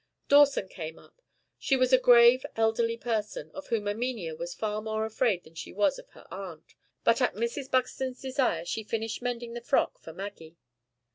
Dawson came up. She was a grave elderly person, of whom Erminia was far more afraid than she was of her aunt; but at Mrs. Buxton's desire she finished mending the frock for Maggie.